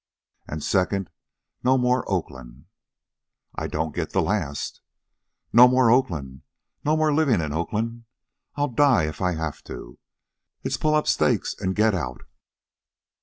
"And, second, no more Oakland." "I don't get that last." "No more Oakland. No more living in Oakland. I'll die if I have to. It's pull up stakes and get out."